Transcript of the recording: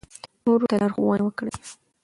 نورو ته لارښوونه وکړئ.